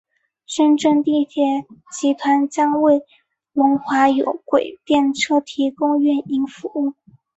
深圳地铁集团将为龙华有轨电车提供运营服务。